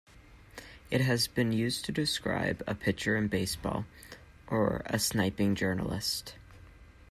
It has been used to describe a pitcher in baseball, or a sniping journalist.